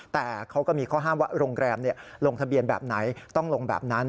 แต่เขาก็มีข้อห้ามว่าโรงแรมลงทะเบียนแบบไหนต้องลงแบบนั้น